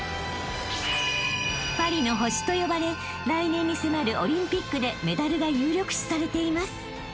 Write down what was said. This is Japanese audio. ［「パリの星」と呼ばれ来年に迫るオリンピックでメダルが有力視されています］